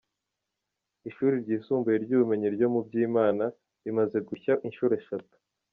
Ishuri ry’isumbuye ry’ubumenyi ryo mu Byimana rimaze gushya inshuro eshatu.